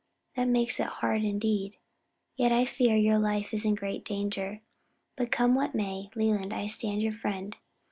"That makes it hard indeed; yet I fear your life is in great danger. But come what may, Leland, I stand your friend.